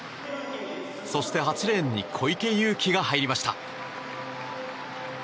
そして８レーンに小池祐貴が入りました。